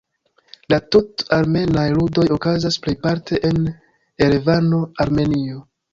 La Tut-armenaj Ludoj okazas plejparte en Erevano, Armenio.